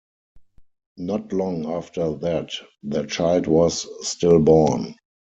Not long after that, their child was stillborn.